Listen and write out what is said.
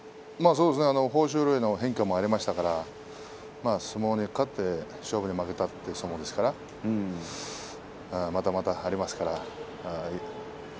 豊昇龍の変化もありましたから相撲に勝って勝負に負けたという相撲ですからまだまだありますから。